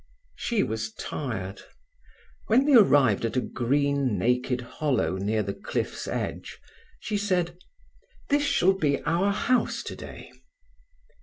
She was tired. When they arrived at a green, naked hollow near the cliff's edge, she said: "This shall be our house today."